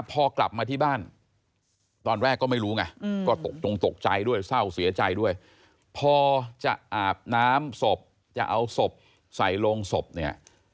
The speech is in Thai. พอจะอาบน้ำศพจะเอาศพใส่ลงศพเนี่ย